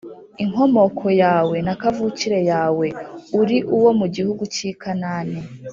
Inkomoko yawe na kavukire yawe, uri uwo mu gihugu cy’i Kanāni